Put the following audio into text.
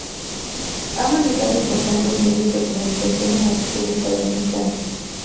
Ha manejado importantes medios de comunicación en la República Dominicana.